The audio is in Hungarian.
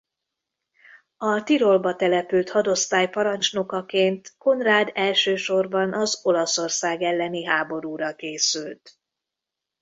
A Tirolban települt hadosztály parancsnokaként Conrad elsősorban az Olaszország elleni háborúra készült.